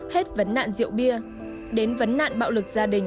hết vấn nạn rượu bia đến vấn nạn bạo lực gia đình